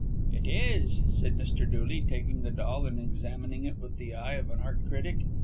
"It is," said Mr. Dooley, taking the doll and examining it with the eye of an art critic.